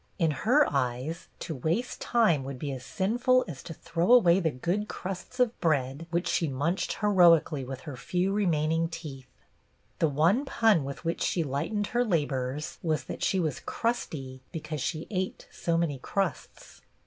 In her eyes, to waste time would be as sinful as to throw away the good crusts of bread which she munched heroically with her few remaining teeth. The one pun with which she lightened her labors was that she was " crusty " because she ate so many crusts.